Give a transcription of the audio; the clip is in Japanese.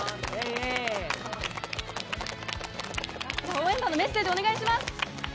応援団のメッセージ、お願いします。